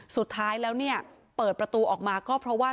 สุดท้ายแล้วเนี่ยเปิดประตูออกมาก็เพราะว่า